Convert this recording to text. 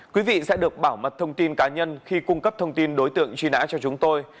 quý vị sẽ được bảo mật thông tin cá nhân khi cung cấp thông tin đối tượng truy nã cho chúng tôi